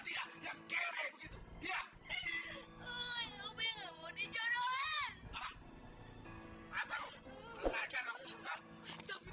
dia yang kere begitu ya hai ui ngomong jodohan apa apa lu belajar langsung asyik simbar sibar